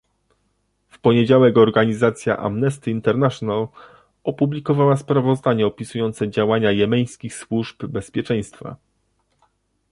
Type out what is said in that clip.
W poniedziałek organizacja Amnesty International opublikowała sprawozdanie opisujące działania jemeńskich służb bezpieczeństwa